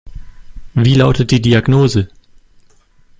Wie lautet die Diagnose?